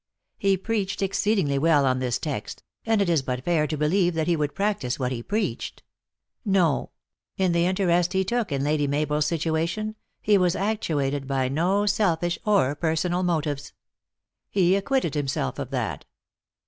He preached exceedingly well on this text, and it is but fair to believe that he would practice what he preached. No ! in the in terest he took in Lady Mabel s situation, he was actu ated by no selfish or personal motives. He acquitted himself of that.